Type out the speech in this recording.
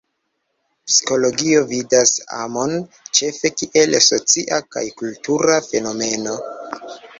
Psikologio vidas amon ĉefe kiel socia kaj kultura fenomeno.